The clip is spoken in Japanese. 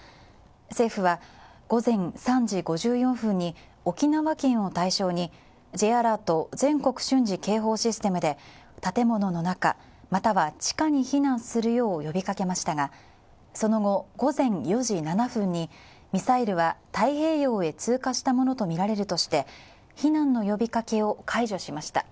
政府は午前３時５４分に沖縄県を対象にＪアラート＝全国瞬時警報システムで建物の中、または地下に避難するよう呼びかけましたが、その後、午前４時７分にミサイルは太平洋へ通過したものとみられるとして避難の呼びかけを解除しました。